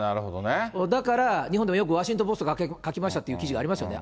だから、日本でもよくワシントンポストが書きましたっていう記事がありますよね。